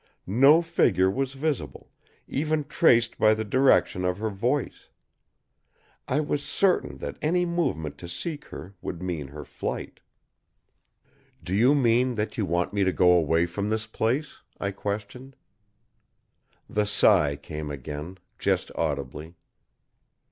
No figure was visible, even traced by the direction of her voice. I was certain that any movement to seek her would mean her flight. "Do you mean that you want me to go away from this place?" I questioned. The sigh came again, just audibly.